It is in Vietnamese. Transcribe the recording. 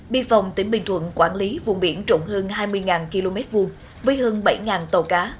bị phòng tỉnh bình thuận quản lý vùng biển trộn hơn hai mươi km hai với hơn bảy tàu cá